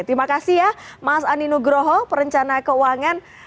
terima kasih ya mas ani nugroho perencana keuangan